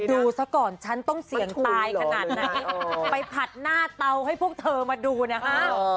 ดูซะก่อนฉันต้องเสี่ยงตายขนาดไหนไปผัดหน้าเตาให้พวกเธอมาดูนะฮะ